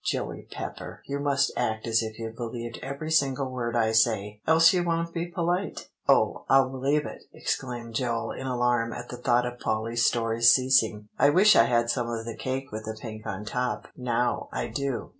Joey Pepper, you must act as if you believed every single word I say, else you won't be polite." "Oh, I'll believe it," exclaimed Joel in alarm at the thought of Polly's stories ceasing. "I wish I had some of the cake with the pink on top, now, I do.